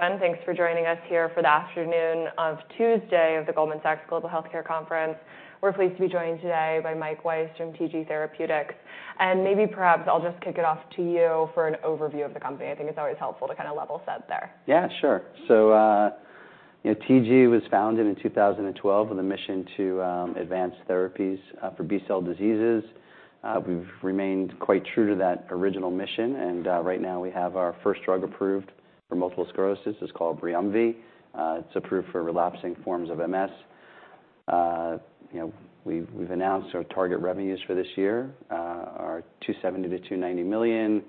Everyone, thanks for joining us here for the afternoon of Tuesday of the Goldman Sachs Global Healthcare Conference. We're pleased to be joined today by Mike Weiss from TG Therapeutics. Maybe, perhaps, I'll just kick it off to you for an overview of the company. I think it's always helpful to kind of level set there. Yeah, sure. So TG was founded in 2012 with a mission to advance therapies for B-cell diseases. We've remained quite true to that original mission. And right now, we have our first drug approved for multiple sclerosis. It's called BRIUMVI. It's approved for relapsing forms of MS. We've announced our target revenues for this year, $270 million-$290 million.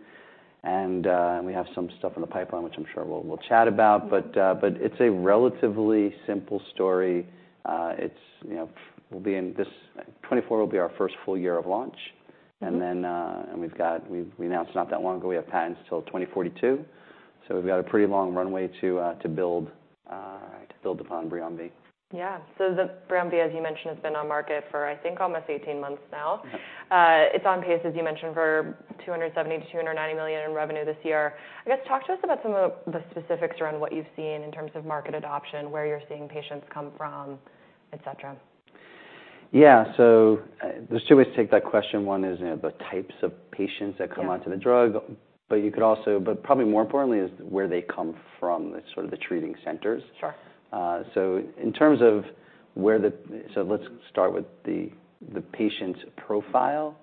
And we have some stuff in the pipeline, which I'm sure we'll chat about. But it's a relatively simple story. This 2024 will be our first full year of launch. And then we've got we announced not that long ago, we have patents till 2042. So we've got a pretty long runway to build upon BRIUMVI. Yeah. So the BRIUMVI, as you mentioned, has been on market for, I think, almost 18 months now. It's on pace, as you mentioned, for $270 million-$290 million in revenue this year. I guess, talk to us about some of the specifics around what you've seen in terms of market adoption, where you're seeing patients come from, et cetera. Yeah. So there's two ways to take that question. One is the types of patients that come onto the drug. But you could also, but probably more importantly, is where they come from, sort of the treating centers. So, in terms of where, so let's start with the patient's profile.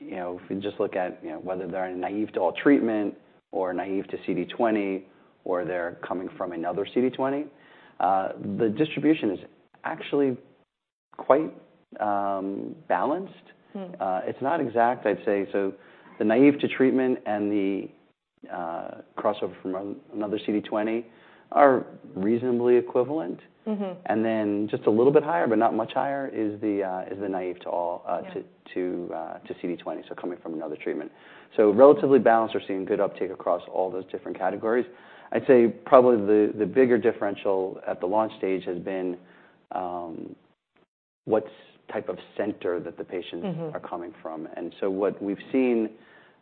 If we just look at whether they're naive to all treatment or naive to CD20 or they're coming from another CD20, the distribution is actually quite balanced. It's not exact, I'd say. So the naive to treatment and the crossover from another CD20 are reasonably equivalent. And then just a little bit higher, but not much higher, is the naive to CD20, so coming from another treatment. So relatively balanced. We're seeing good uptake across all those different categories. I'd say probably the bigger differential at the launch stage has been what type of center that the patients are coming from. And so what we've seen,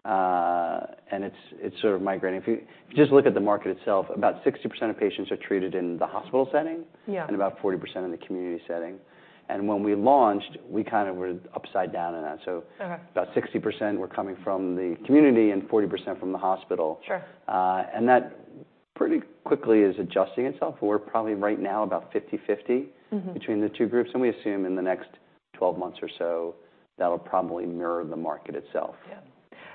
and it's sort of migrating. If you just look at the market itself, about 60% of patients are treated in the hospital setting and about 40% in the community setting. And when we launched, we kind of were upside down in that. So about 60% were coming from the community and 40% from the hospital. And that pretty quickly is adjusting itself. We're probably right now about 50/50 between the two groups. And we assume in the next 12 months or so, that'll probably mirror the market itself. Yeah.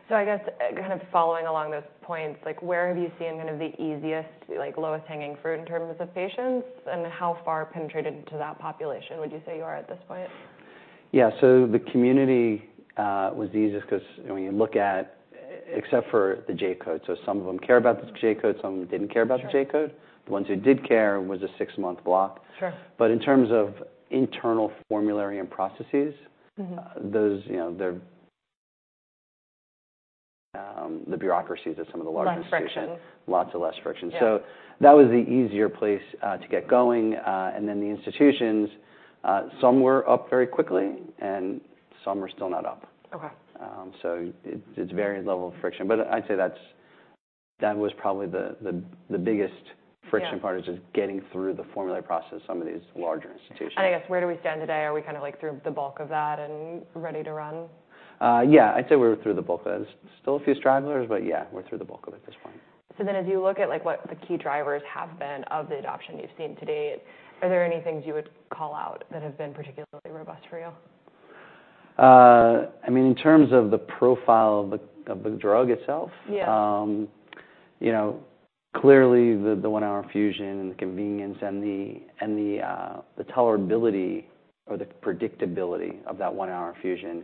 So I guess, kind of following along those points, where have you seen kind of the easiest, lowest hanging fruit in terms of patients? And how far penetrated into that population would you say you are at this point? Yeah. So the community was the easiest because when you look at except for the J-code. So some of them care about the J-code. Some of them didn't care about the J-code. The ones who did care was a six-month block. But in terms of internal formulary and processes, the bureaucracies are some of the largest. Less friction. Lots of less friction. So that was the easier place to get going. And then the institutions, some were up very quickly, and some are still not up. So it's a varied level of friction. But I'd say that was probably the biggest friction part, is just getting through the formulary process at some of these larger institutions. I guess, where do we stand today? Are we kind of through the bulk of that and ready to run? Yeah. I'd say we're through the bulk of that. There's still a few stragglers, but yeah, we're through the bulk of it at this point. So then as you look at what the key drivers have been of the adoption you've seen to date, are there any things you would call out that have been particularly robust for you? I mean, in terms of the profile of the drug itself, clearly, the one-hour infusion and the convenience and the tolerability or the predictability of that one-hour infusion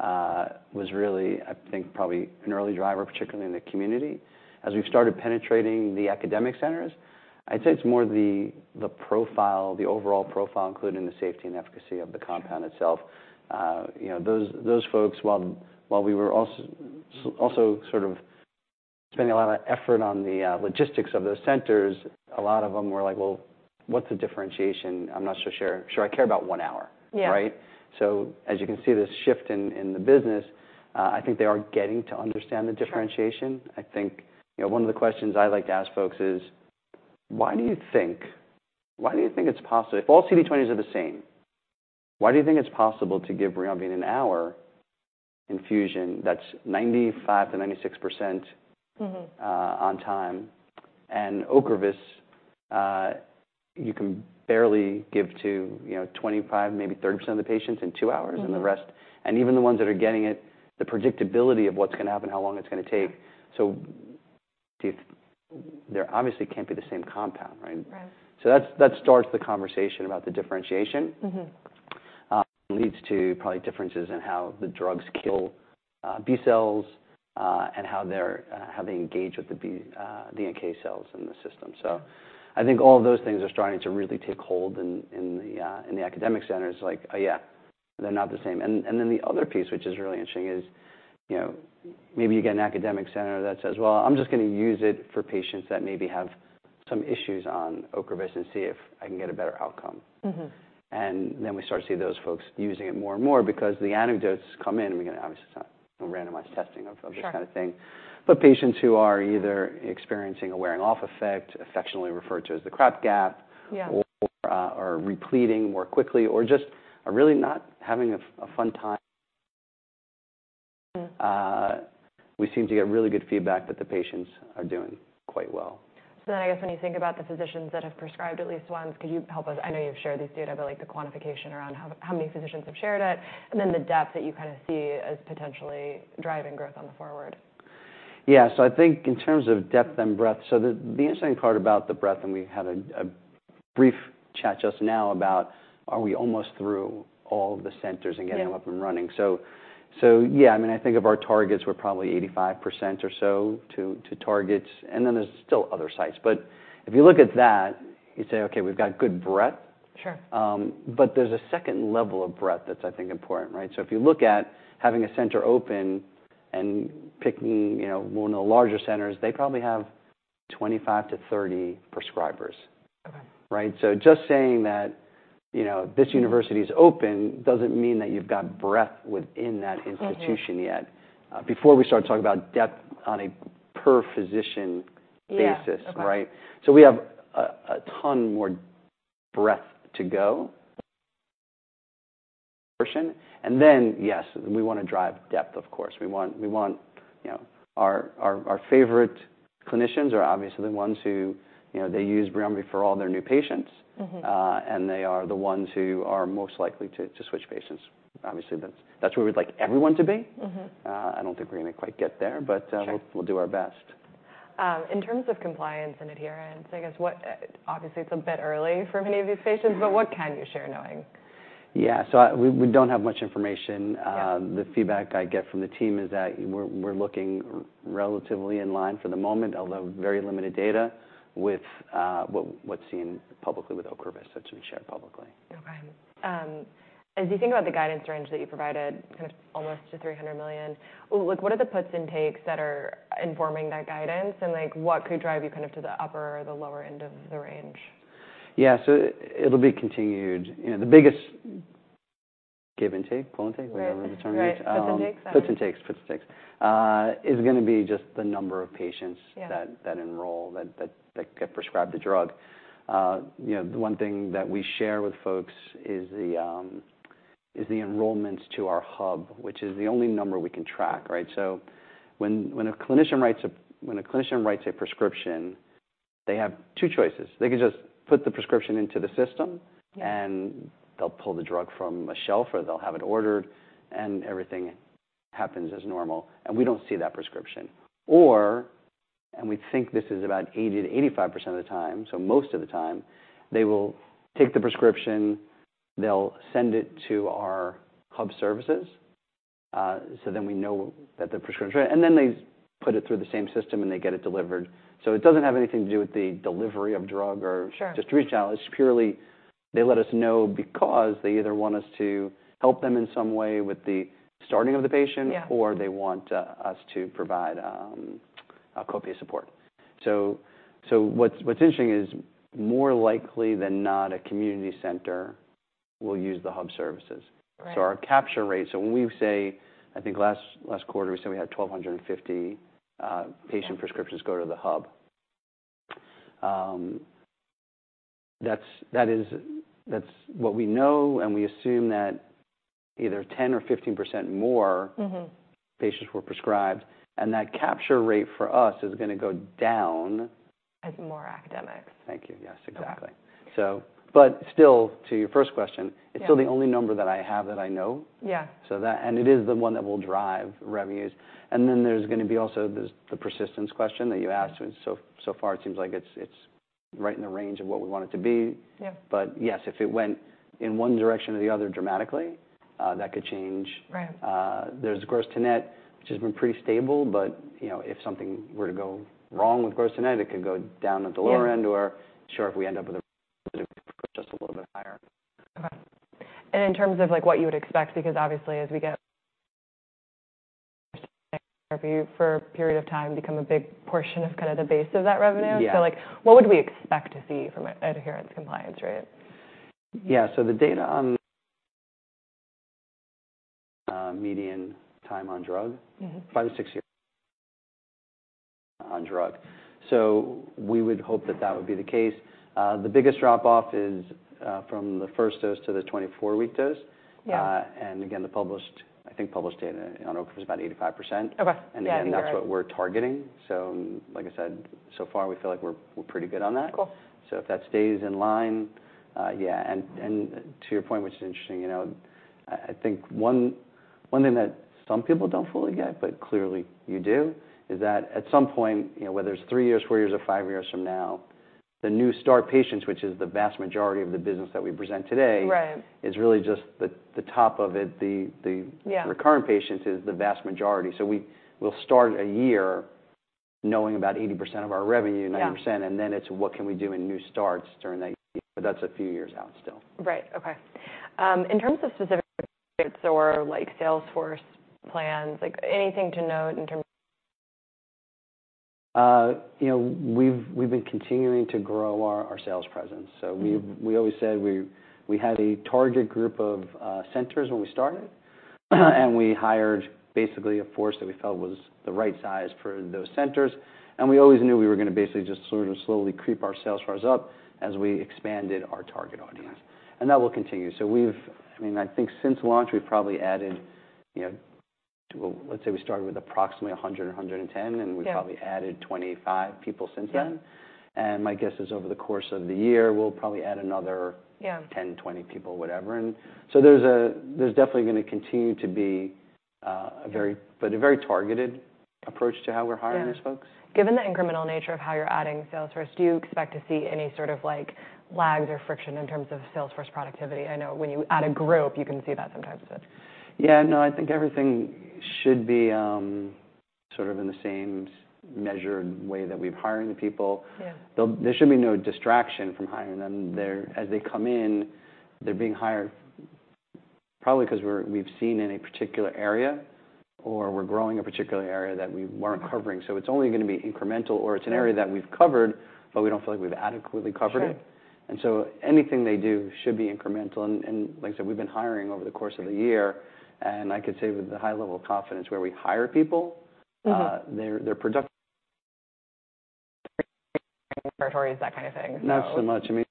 was really, I think, probably an early driver, particularly in the community. As we've started penetrating the academic centers, I'd say it's more the profile, the overall profile, including the safety and efficacy of the compound itself. Those folks, while we were also sort of spending a lot of effort on the logistics of those centers, a lot of them were like, "Well, what's the differentiation? I'm not so sure. Should I care about one hour?" Right? So as you can see this shift in the business, I think they are getting to understand the differentiation. I think one of the questions I like to ask folks is, "Why do you think it's possible if all CD20s are the same, why do you think it's possible to give BRIUMVI in an hour infusion that's 95%-96% on time?" And Ocrevus, you can barely give to 25%, maybe 30% of the patients in two hours. And the rest and even the ones that are getting it, the predictability of what's going to happen, how long it's going to take. So there obviously can't be the same compound, right? So that starts the conversation about the differentiation. It leads to probably differences in how the drugs kill B cells and how they engage with the NK cells in the system. So I think all of those things are starting to really take hold in the academic centers. It's like, "Oh, yeah, they're not the same." And then the other piece, which is really interesting, is maybe you get an academic center that says, "Well, I'm just going to use it for patients that maybe have some issues on Ocrevus and see if I can get a better outcome." And then we start to see those folks using it more and more because the anecdotes come in. We can obviously not randomize testing of this kind of thing. But patients who are either experiencing a wearing-off effect, affectionately referred to as the crap gap, or are repleting more quickly, or just are really not having a fun time, we seem to get really good feedback that the patients are doing quite well. So then I guess when you think about the physicians that have prescribed at least once, could you help us? I know you've shared these data, but the quantification around how many physicians have shared it, and then the depth that you kind of see as potentially driving growth on the forward. Yeah. So I think in terms of depth and breadth, so the interesting part about the breadth, and we had a brief chat just now about, are we almost through all of the centers and getting them up and running? So yeah, I mean, I think of our targets, we're probably 85% or so to targets. And then there's still other sites. But if you look at that, you say, "Okay, we've got good breadth." But there's a second level of breadth that's, I think, important, right? So if you look at having a center open and picking one of the larger centers, they probably have 25-30 prescribers, right? So just saying that this university is open doesn't mean that you've got breadth within that institution yet. Before we start talking about depth on a per-physician basis, right? So we have a ton more breadth to go. And then, yes, we want to drive depth, of course. We want our favorite clinicians are obviously the ones who they use BRIUMVI for all their new patients. And they are the ones who are most likely to switch patients. Obviously, that's where we'd like everyone to be. I don't think we're going to quite get there, but we'll do our best. In terms of compliance and adherence, I guess, obviously, it's a bit early for many of these patients, but what can you share knowing? Yeah. We don't have much information. The feedback I get from the team is that we're looking relatively in line for the moment, although very limited data with what's seen publicly with Ocrevus, which we share publicly. Okay. As you think about the guidance range that you provided, kind of almost to $300 million, what are the puts and takes that are informing that guidance? And what could drive you kind of to the upper or the lower end of the range? Yeah. So it'll be continued. The biggest give and take, pull and take, whatever the term is. Yeah, puts and takes. Puts and takes, puts and takes, is going to be just the number of patients that enroll, that get prescribed the drug. The one thing that we share with folks is the enrollments to our hub, which is the only number we can track, right? So when a clinician writes a prescription, they have two choices. They can just put the prescription into the system, and they'll pull the drug from a shelf, or they'll have it ordered, and everything happens as normal. And we don't see that prescription. And we think this is about 80%-85% of the time, so most of the time, they will take the prescription, they'll send it to our hub services. So then we know that the prescription is right. And then they put it through the same system, and they get it delivered. So it doesn't have anything to do with the delivery of drug or distribution at all. It's purely they let us know because they either want us to help them in some way with the starting of the patient, or they want us to provide copay support. So what's interesting is, more likely than not, a community center will use the hub services. So our capture rate, so when we say, I think last quarter, we said we had 1,250 patient prescriptions go to the hub. That's what we know. And we assume that either 10% or 15% more patients were prescribed. And that capture rate for us is going to go down. As more academics. Thank you. Yes, exactly. But still, to your first question, it's still the only number that I have that I know. And it is the one that will drive revenues. And then there's going to be also the persistence question that you asked. So far, it seems like it's right in the range of what we want it to be. But yes, if it went in one direction or the other dramatically, that could change. There's gross-to-net, which has been pretty stable. But if something were to go wrong with gross-to-net, it could go down at the lower end or short if we end up with just a little bit higher. Okay. And in terms of what you would expect, because obviously, as we get for a period of time, become a big portion of kind of the base of that revenue, what would we expect to see from adherence compliance, right? Yeah. So the data on median time on drug, 5-6 years on drug. So we would hope that that would be the case. The biggest drop-off is from the first dose to the 24-week dose. And again, I think published data on Ocrevus is about 85%. And again, that's what we're targeting. So like I said, so far, we feel like we're pretty good on that. So if that stays in line, yeah. And to your point, which is interesting, I think one thing that some people don't fully get, but clearly you do, is that at some point, whether it's three years, four years, or five years from now, the new start patients, which is the vast majority of the business that we present today, is really just the top of it. The recurrent patient is the vast majority. We'll start a year knowing about 80% of our revenue, 90%. Then it's what can we do in new starts during that year. That's a few years out still. Right. Okay. In terms of specific or salesforce plans, anything to note in terms? We've been continuing to grow our sales presence. We always said we had a target group of centers when we started. We hired basically a force that we felt was the right size for those centers. We always knew we were going to basically just sort of slowly creep our sales force up as we expanded our target audience. That will continue. I mean, I think since launch, we've probably added, let's say we started with approximately 100, 110, and we've probably added 25 people since then. My guess is over the course of the year, we'll probably add another 10, 20 people, whatever. So there's definitely going to continue to be a very targeted approach to how we're hiring these folks. Yeah. Given the incremental nature of how you're adding sales force, do you expect to see any sort of lags or friction in terms of sales force productivity? I know when you add a group, you can see that sometimes. Yeah. No, I think everything should be sort of in the same measured way that we've hired the people. There should be no distraction from hiring them. As they come in, they're being hired probably because we've seen in a particular area or we're growing a particular area that we weren't covering. So it's only going to be incremental, or it's an area that we've covered, but we don't feel like we've adequately covered it. And so anything they do should be incremental. And like I said, we've been hiring over the course of the year. And I could say with the high level of confidence where we hire people, they're productive. Territories, that kind of thing. Not so much. I mean,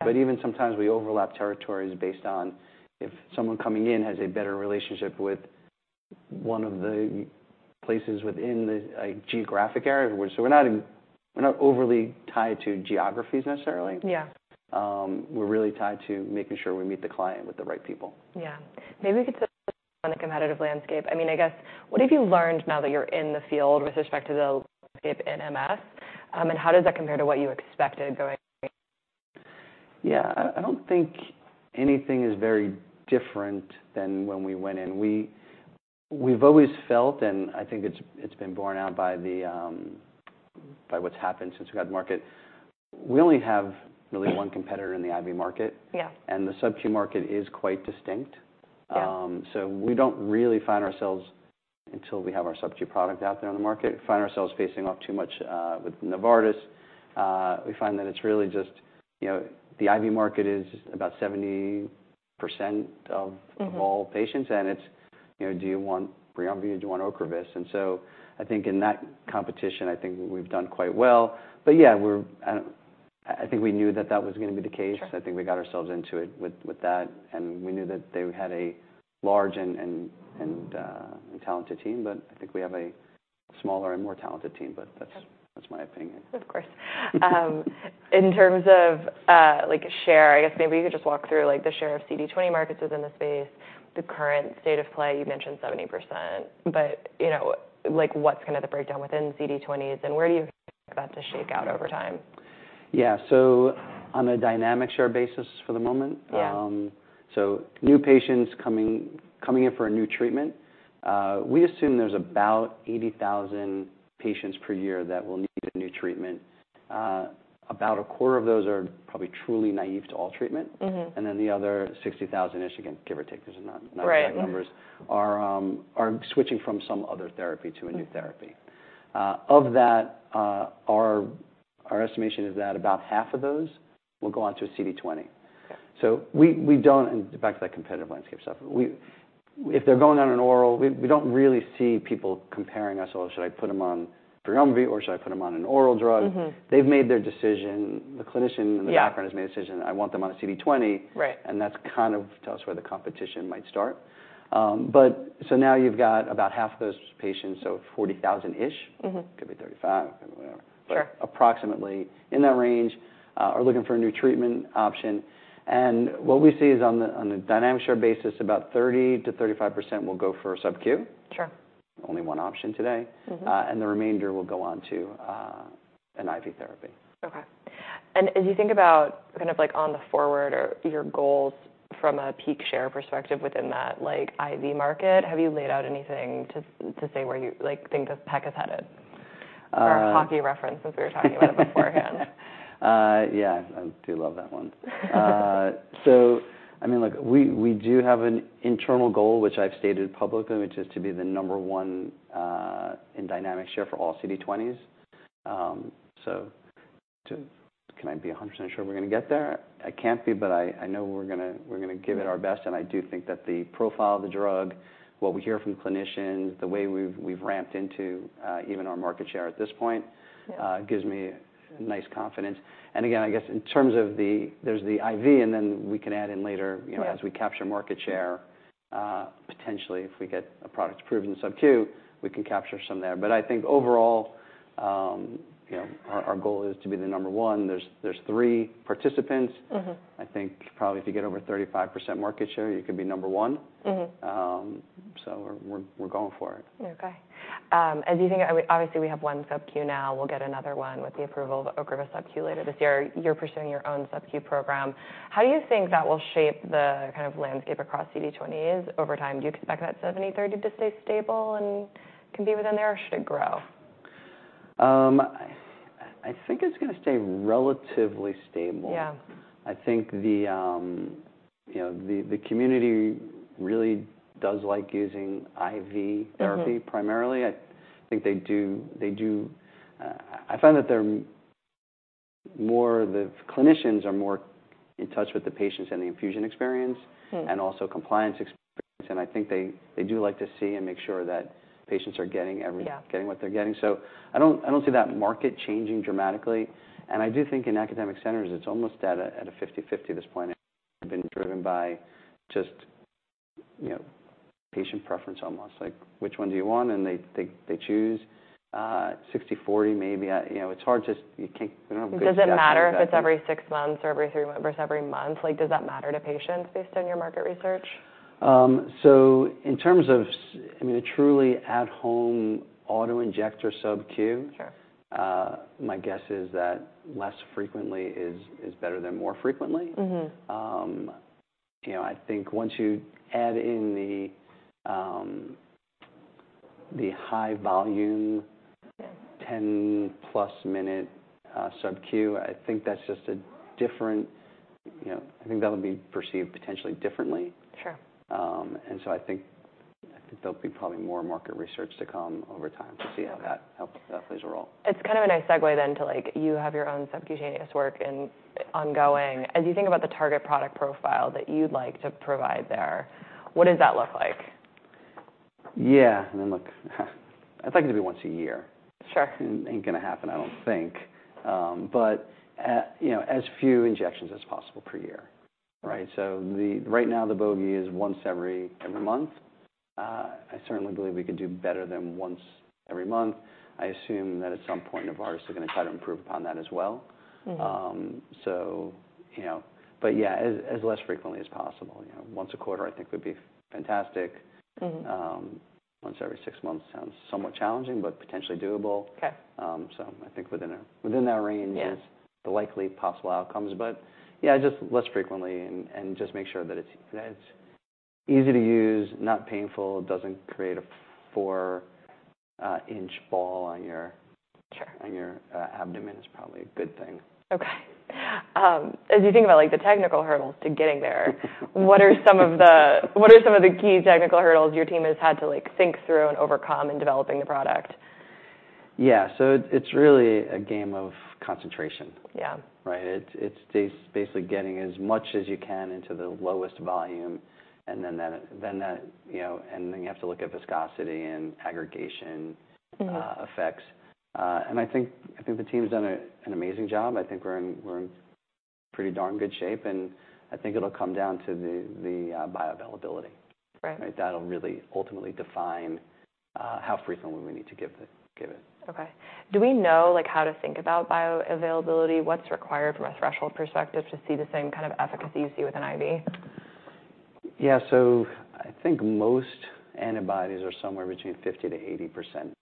but even sometimes we overlap territories based on if someone coming in has a better relationship with one of the places within the geographic area. So we're not overly tied to geographies necessarily. We're really tied to making sure we meet the client with the right people. Yeah. Maybe we could put this on the competitive landscape. I mean, I guess, what have you learned now that you're in the field with respect to the landscape in MS? And how does that compare to what you expected going? Yeah. I don't think anything is very different than when we went in. We've always felt, and I think it's been borne out by what's happened since we got the market. We only have really one competitor in the IV market. And the SUB-Q market is quite distinct. So we don't really find ourselves until we have our SUB-Q product out there on the market, find ourselves facing off too much with Novartis. We find that it's really just the IV market is about 70% of all patients. And it's, "Do you want BRIUMVI? Do you want Ocrevus?" And so I think in that competition, I think we've done quite well. But yeah, I think we knew that that was going to be the case. I think we got ourselves into it with that. And we knew that they had a large and talented team. But I think we have a smaller and more talented team. But that's my opinion. Of course. In terms of share, I guess maybe you could just walk through the share of CD20 markets within the space, the current state of play, you mentioned 70%. But what's kind of the breakdown within CD20s? And where do you expect that to shake out over time? Yeah. So on a dynamic share basis for the moment, so new patients coming in for a new treatment, we assume there's about 80,000 patients per year that will need a new treatment. About a quarter of those are probably truly naive to all treatment. And then the other 60,000-ish, again, give or take, there's not exact numbers, are switching from some other therapy to a new therapy. Of that, our estimation is that about half of those will go on to a CD20. So we don't, and back to that competitive landscape stuff, if they're going on an oral, we don't really see people comparing us, "Oh, should I put them on BRIUMVI, or should I put them on an oral drug?" They've made their decision. The clinician in the background has made a decision, "I want them on a CD20." And that's kind of tells us where the competition might start. But so now you've got about half of those patients, so 40,000-ish, could be 35, whatever, but approximately in that range, are looking for a new treatment option. And what we see is on the dynamic share basis, about 30%-35% will go for SUB-Q, only one option today. And the remainder will go on to an IV therapy. Okay. And as you think about kind of going forward or your goals from a peak share perspective within that IV market, have you laid out anything to say where you think the peak is headed? Or hockey reference since we were talking about it beforehand. Yeah. I do love that one. So I mean, look, we do have an internal goal, which I've stated publicly, which is to be the number one in dynamic share for all CD20s. So can I be 100% sure we're going to get there? I can't be, but I know we're going to give it our best. And I do think that the profile of the drug, what we hear from clinicians, the way we've ramped into even our market share at this point gives me nice confidence. And again, I guess in terms of the there's the IV, and then we can add in later as we capture market share, potentially if we get a product approved in SUB-Q, we can capture some there. But I think overall, our goal is to be the number one. There's three participants. I think probably if you get over 35% market share, you could be number one. So we're going for it. Okay. And do you think, obviously, we have one SUB-Q now, we'll get another one with the approval of Ocrevus SUB-Q later this year. You're pursuing your own SUB-Q program. How do you think that will shape the kind of landscape across CD20s over time? Do you expect that 70/30 to stay stable and can be within there, or should it grow? I think it's going to stay relatively stable. I think the community really does like using IV therapy primarily. I think they do. I find that the clinicians are more in touch with the patients and the infusion experience and also compliance experience. And I think they do like to see and make sure that patients are getting what they're getting. So I don't see that market changing dramatically. And I do think in academic centers, it's almost at a 50/50 at this point. It's been driven by just patient preference almost. Like, "Which one do you want?" And they choose 60/40 maybe. It's hard to. We don't have a good. Does it matter if it's every 6 months or every 3 months versus every month? Does that matter to patients based on your market research? So in terms of, I mean, a truly at-home auto injector SUB-Q, my guess is that less frequently is better than more frequently. I think once you add in the high volume 10+ minute SUB-Q, I think that's just a different, I think that'll be perceived potentially differently. And so I think there'll be probably more market research to come over time to see how that plays a role. It's kind of a nice segue then to you have your own subcutaneous work ongoing. As you think about the target product profile that you'd like to provide there, what does that look like? Yeah. And then look, I'd like it to be once a year. It ain't going to happen, I don't think. But as few injections as possible per year, right? So right now, the bogey is once every month. I certainly believe we could do better than once every month. I assume that at some point, Novartis are going to try to improve upon that as well. But yeah, as less frequently as possible. Once a quarter, I think, would be fantastic. Once every six months sounds somewhat challenging, but potentially doable. So I think within that range is the likely possible outcomes. But yeah, just less frequently and just make sure that it's easy to use, not painful, doesn't create a four-inch ball on your abdomen is probably a good thing. Okay. As you think about the technical hurdles to getting there, what are some of the key technical hurdles your team has had to think through and overcome in developing the product? Yeah. So it's really a game of concentration, right? It's basically getting as much as you can into the lowest volume. And then you have to look at viscosity and aggregation effects. And I think the team's done an amazing job. I think we're in pretty darn good shape. And I think it'll come down to the bioavailability, right? That'll really ultimately define how frequently we need to give it. Okay. Do we know how to think about bioavailability, what's required from a threshold perspective to see the same kind of efficacy you see with an IV? Yeah. So I think most antibodies are somewhere between 50%-80%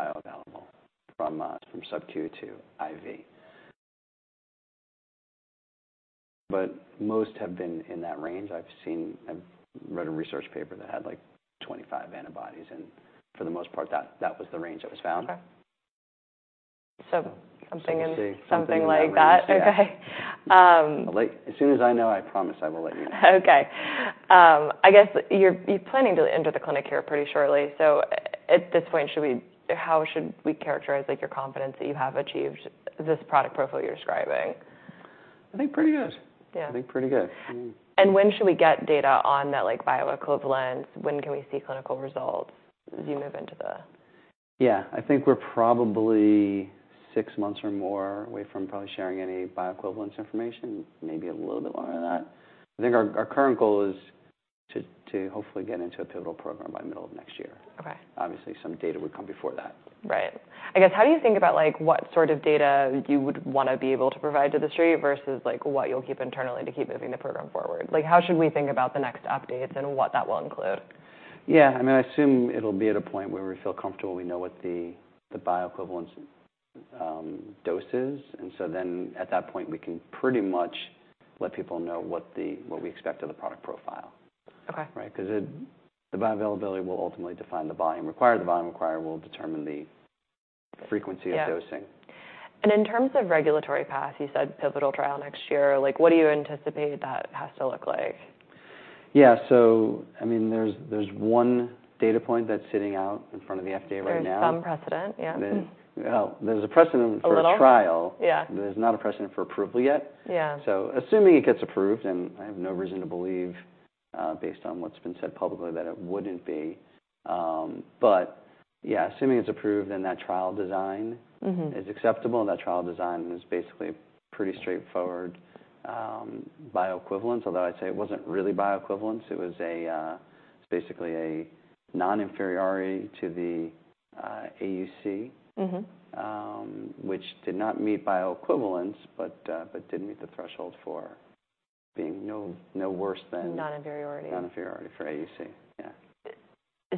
bioavailable from SUB-Q to IV. But most have been in that range. I've read a research paper that had like 25 antibodies. And for the most part, that was the range that was found. Okay. So something like that. Okay. As soon as I know, I promise I will let you know. Okay. I guess you're planning to enter the clinic here pretty shortly. So at this point, how should we characterize your confidence that you have achieved this product profile you're describing? I think pretty good. I think pretty good. When should we get data on that bioequivalence? When can we see clinical results as you move into the? Yeah. I think we're probably 6 months or more away from probably sharing any bioequivalence information, maybe a little bit more than that. I think our current goal is to hopefully get into a pivotal program by middle of next year. Obviously, some data would come before that. Right. I guess how do you think about what sort of data you would want to be able to provide to the street versus what you'll keep internally to keep moving the program forward? How should we think about the next updates and what that will include? Yeah. I mean, I assume it'll be at a point where we feel comfortable. We know what the bioequivalence dose is. And so then at that point, we can pretty much let people know what we expect of the product profile, right? Because the bioavailability will ultimately define the volume. Require the volume. Require will determine the frequency of dosing. In terms of regulatory path, you said pivotal trial next year. What do you anticipate that has to look like? Yeah. So I mean, there's one data point that's sitting out in front of the FDA right now. There's some precedent. Yeah. Well, there's a precedent for a trial. There's not a precedent for approval yet. So assuming it gets approved, and I have no reason to believe based on what's been said publicly that it wouldn't be. But yeah, assuming it's approved and that trial design is acceptable, and that trial design is basically pretty straightforward bioequivalence, although I'd say it wasn't really bioequivalence. It was basically a non-inferiority to the AUC, which did not meet bioequivalence, but did meet the threshold for being no worse than. Non-inferiority. Non-inferiority for AUC. Yeah.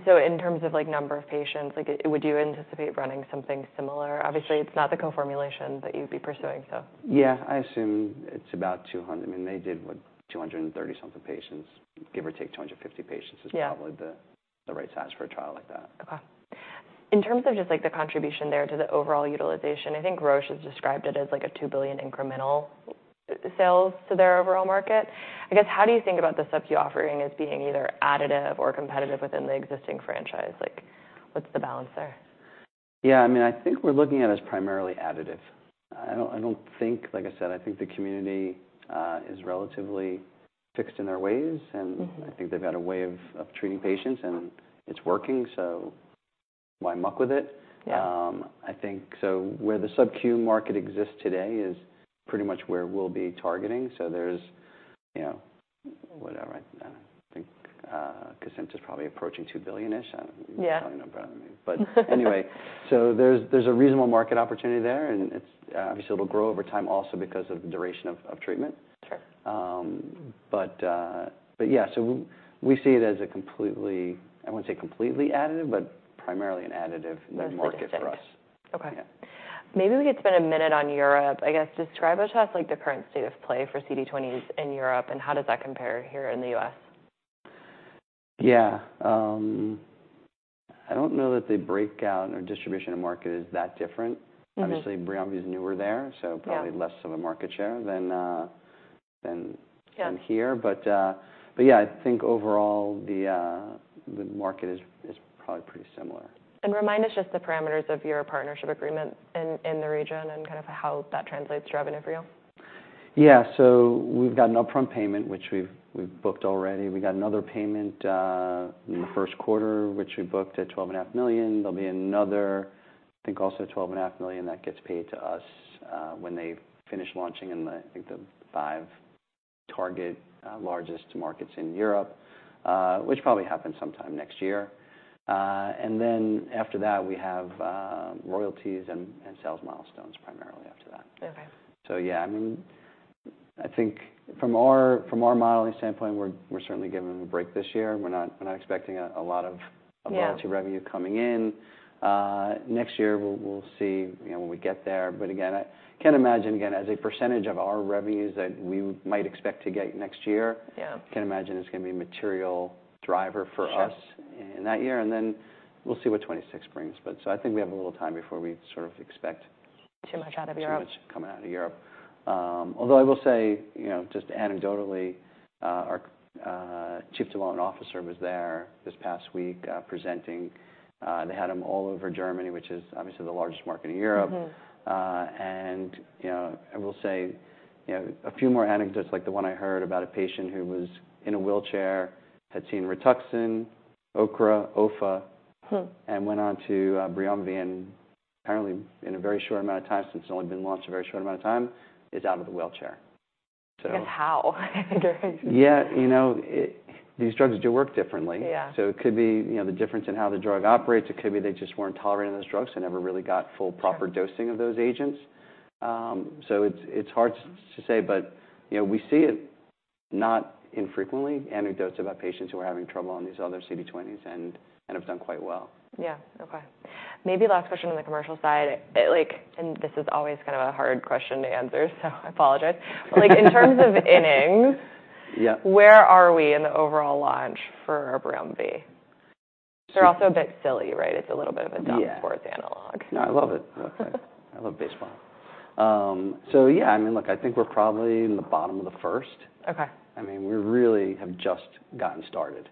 So in terms of number of patients, would you anticipate running something similar? Obviously, it's not the co-formulation that you'd be pursuing, so. Yeah. I assume it's about 200. I mean, they did what, 230-something patients, give or take 250 patients is probably the right size for a trial like that. Okay. In terms of just the contribution there to the overall utilization, I think Roche has described it as a $2 billion incremental sales to their overall market. I guess how do you think about the SUB-Q offering as being either additive or competitive within the existing franchise? What's the balance there? Yeah. I mean, I think we're looking at it as primarily additive. I don't think, like I said, I think the community is relatively fixed in their ways. And I think they've got a way of treating patients. And it's working. So why muck with it? I think so where the SUB-Q market exists today is pretty much where we'll be targeting. So there's whatever. I think Cosentyx is probably approaching $2 billion-ish. I don't know. But anyway, so there's a reasonable market opportunity there. And obviously, it'll grow over time also because of the duration of treatment. But yeah, so we see it as a completely, I wouldn't say completely additive, but primarily an additive market for us. Okay. Maybe we could spend a minute on Europe. I guess describe to us the current state of play for CD20s in Europe, and how does that compare here in the US? Yeah. I don't know that the breakout or distribution of market is that different. Obviously, BRIUMVI is newer there, so probably less of a market share than here. But yeah, I think overall, the market is probably pretty similar. Remind us just the parameters of your partnership agreement in the region and kind of how that translates to revenue for you? Yeah. So we've got an upfront payment, which we've booked already. We got another payment in the first quarter, which we booked at $12.5 million. There'll be another, I think also $12.5 million that gets paid to us when they finish launching in the five target largest markets in Europe, which probably happens sometime next year. And then after that, we have royalties and sales milestones primarily after that. So yeah, I mean, I think from our modeling standpoint, we're certainly giving them a break this year. We're not expecting a lot of royalty revenue coming in. Next year, we'll see when we get there. But again, I can't imagine again as a percentage of our revenues that we might expect to get next year. I can't imagine it's going to be a material driver for us in that year. And then we'll see what 2026 brings. But so I think we have a little time before we sort of expect. Too much out of Europe. Too much coming out of Europe. Although I will say just anecdotally, our Chief Development Officer was there this past week presenting. They had them all over Germany, which is obviously the largest market in Europe. I will say a few more anecdotes like the one I heard about a patient who was in a wheelchair, had seen Rituxan, Ocrevus, Ofa, and went on to BRIUMVI. Apparently, in a very short amount of time since it's only been launched a very short amount of time, is out of the wheelchair. And how? Yeah. These drugs do work differently. So it could be the difference in how the drug operates. It could be they just weren't tolerating those drugs and never really got full proper dosing of those agents. So it's hard to say. But we see it not infrequently. Anecdotes about patients who are having trouble on these other CD20s and have done quite well. Yeah. Okay. Maybe last question on the commercial side. And this is always kind of a hard question to answer, so I apologize. In terms of innings, where are we in the overall launch for BRIUMVI? They're also a bit silly, right? It's a little bit of a Dallas sports analog. No, I love it. I love baseball. So yeah, I mean, look, I think we're probably in the bottom of the first. I mean, we really have just gotten started.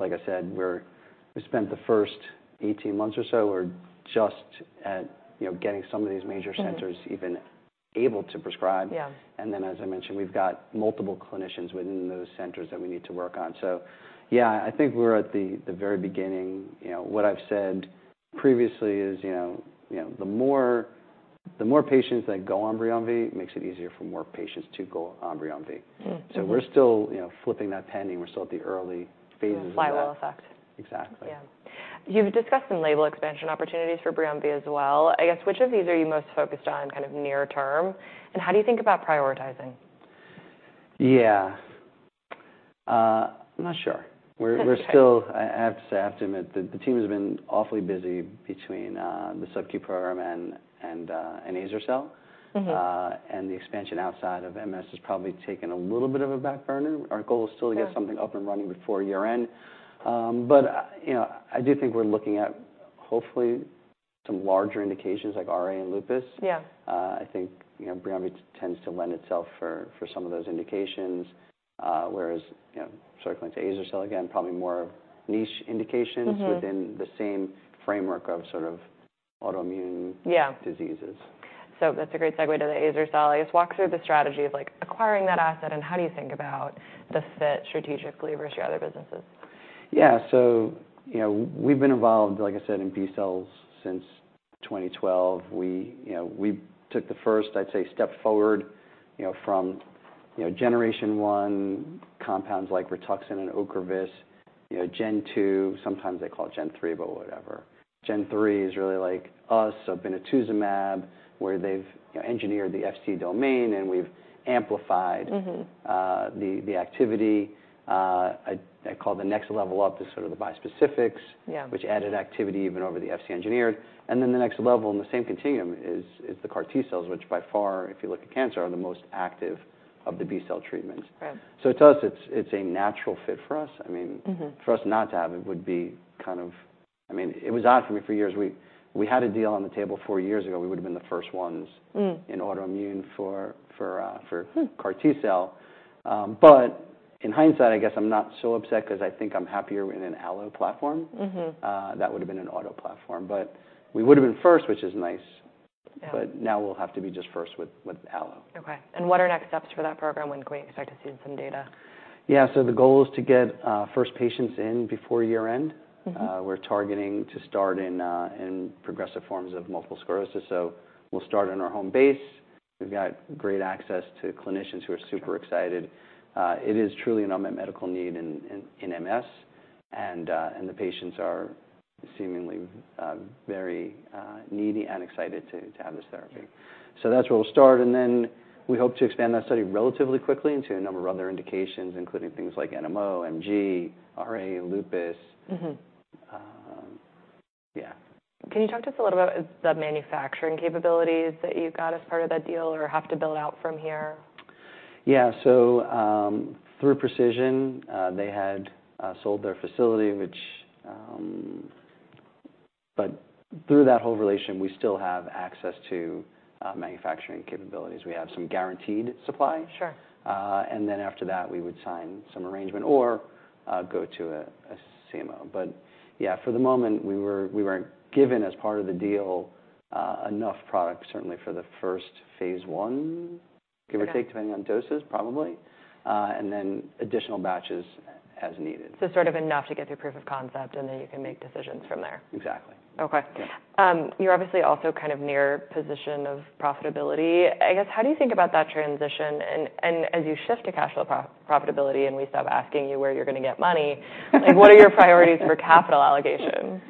Like I said, we spent the first 18 months or so just at getting some of these major centers even able to prescribe. And then, as I mentioned, we've got multiple clinicians within those centers that we need to work on. So yeah, I think we're at the very beginning. What I've said previously is the more patients that go on BRIUMVI makes it easier for more patients to go on BRIUMVI. So we're still flipping that pendulum. We're still at the early phases of that. The flywheel effect. Exactly. Yeah. You've discussed some label expansion opportunities for BRIUMVI as well. I guess which of these are you most focused on kind of near-term? And how do you think about prioritizing? Yeah. I'm not sure. I have to say, I have to admit, the team has been awfully busy between the SUB-Q program and azer-cel. And the expansion outside of MS has probably taken a little bit of a back burner. Our goal is still to get something up and running before year-end. But I do think we're looking at hopefully some larger indications like RA and lupus. I think BRIUMVI tends to lend itself for some of those indications. Whereas sort of going to azer-cel, again, probably more niche indications within the same framework of sort of autoimmune diseases. So that's a great segue to the azer-cel. I guess walk through the strategy of acquiring that asset and how do you think about the fit strategically versus your other businesses. Yeah. So we've been involved, like I said, in B-cells since 2012. We took the first, I'd say, step forward from generation one, compounds like Rituxan and Ocrevus, Gen 2. Sometimes they call it Gen 3, but whatever. Gen 3 is really like us, so obinutuzumab, where they've engineered the Fc domain and we've amplified the activity. I call the next level up is sort of the bispecifics, which added activity even over the Fc engineered. And then the next level in the same continuum is the CAR T-cells, which by far, if you look at cancer, are the most active of the B-cell treatments. So to us, it's a natural fit for us. I mean, for us not to have it would be kind of, I mean, it was odd for me for years. We had a deal on the table four years ago. We would have been the first ones in autoimmune for CAR T-cell. But in hindsight, I guess I'm not so upset because I think I'm happier in an allo platform. That would have been an auto platform. But we would have been first, which is nice. But now we'll have to be just first with allo. Okay. What are next steps for that program when we expect to see some data? Yeah. The goal is to get first patients in before year-end. We're targeting to start in progressive forms of multiple sclerosis. We'll start in our home base. We've got great access to clinicians who are super excited. It is truly an unmet medical need in MS. The patients are seemingly very needy and excited to have this therapy. That's where we'll start. Then we hope to expand that study relatively quickly into a number of other indications, including things like NMO, MG, RA, lupus. Yeah. Can you talk to us a little bit about the manufacturing capabilities that you've got as part of that deal or have to build out from here? Yeah. So through Precision, they had sold their facility, which, but through that whole relation, we still have access to manufacturing capabilities. We have some guaranteed supply. And then after that, we would sign some arrangement or go to a CMO. But yeah, for the moment, we weren't given as part of the deal enough product, certainly for the first phase one, give or take, depending on doses, probably. And then additional batches as needed. Sort of enough to get through proof of concept and then you can make decisions from there. Exactly. Okay. You're obviously also kind of near position of profitability. I guess how do you think about that transition? And as you shift to cash flow profitability and we stop asking you where you're going to get money, what are your priorities for capital allocation?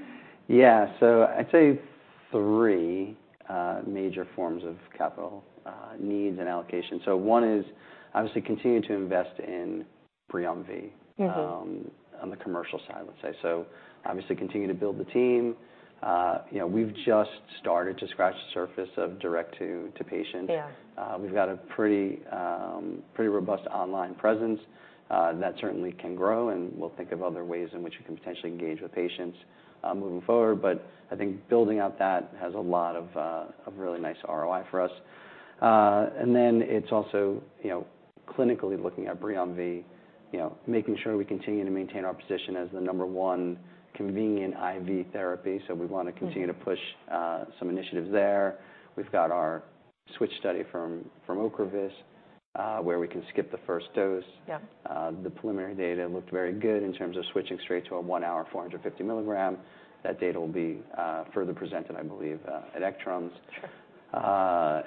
Yeah. So I'd say three major forms of capital needs and allocation. So one is obviously continue to invest in BRIUMVI on the commercial side, let's say. So obviously continue to build the team. We've just started to scratch the surface of direct to patient. We've got a pretty robust online presence that certainly can grow. And we'll think of other ways in which we can potentially engage with patients moving forward. But I think building out that has a lot of really nice ROI for us. And then it's also clinically looking at BRIUMVI, making sure we continue to maintain our position as the number one convenient IV therapy. So we want to continue to push some initiatives there. We've got our switch study from Ocrevus where we can skip the first dose. The preliminary data looked very good in terms of switching straight to a 1-hour 450 mg. That data will be further presented, I believe, at ECTRIMS.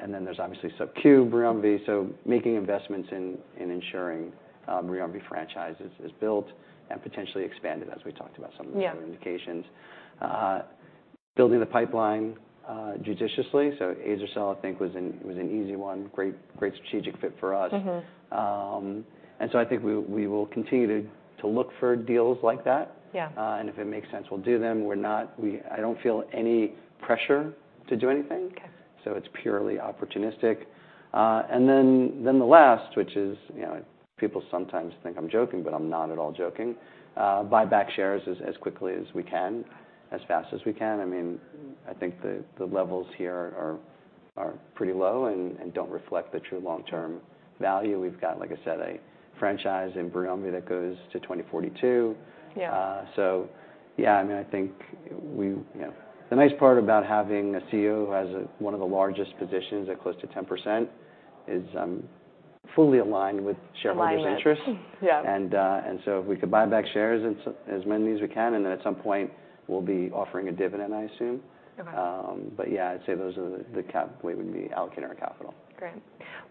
And then there's obviously SUB-Q BRIUMVI. So making investments in ensuring BRIUMVI franchise is built and potentially expanded, as we talked about, some of the other indications. Building the pipeline judiciously. So azer-cel, I think, was an easy one. Great strategic fit for us. And so I think we will continue to look for deals like that. And if it makes sense, we'll do them. I don't feel any pressure to do anything. So it's purely opportunistic. And then the last, which is people sometimes think I'm joking, but I'm not at all joking, buy back shares as quickly as we can, as fast as we can. I mean, I think the levels here are pretty low and don't reflect the true long-term value. We've got, like I said, a franchise in BRIUMVI that goes to 2042. So yeah, I mean, I think the nice part about having a CEO who has one of the largest positions at close to 10% is fully aligned with shareholders' interests. And so if we could buy back shares as many as we can, and then at some point, we'll be offering a dividend, I assume. But yeah, I'd say those are the we would be allocating our capital. Great.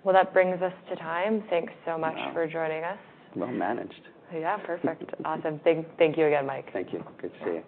Well, that brings us to time. Thanks so much for joining us. Well managed. Yeah. Perfect. Awesome. Thank you again, Mike. Thank you. Good to see you.